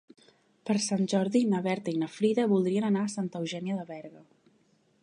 Per Sant Jordi na Berta i na Frida voldrien anar a Santa Eugènia de Berga.